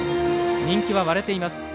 人気は割れています。